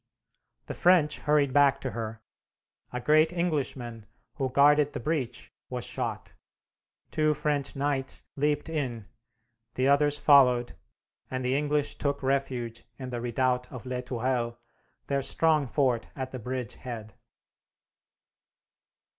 The French hurried back to her; a great Englishman, who guarded the breach, was shot; two French knights leaped in, the others followed, and the English took refuge in the redoubt of Les Tourelles, their strong fort at the bridge head.